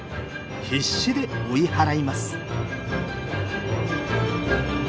必死で追い払います。